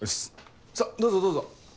さぁどうぞどうぞ。